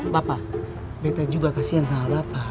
bapak dt juga kasian sama bapak